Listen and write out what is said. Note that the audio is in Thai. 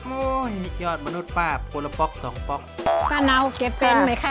โอ้ยยอดมนุษย์ป้าคนละป๊อกสองป๊อกป้าเนาเก็บเป็นไหมคะ